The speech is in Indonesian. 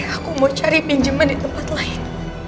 aku mau cari pinjeman di tempat lain